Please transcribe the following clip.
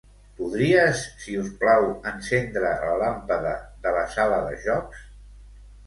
Podries, si us plau, encendre la làmpada de la sala de jocs.